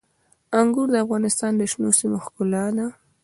انګور د افغانستان د شنو سیمو ښکلا ده.